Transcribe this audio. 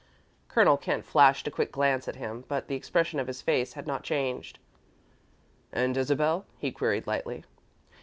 Colonel Kent flashed a quick glance at him, but the expression of his face had not changed. "And Isabel?" he queried, lightly.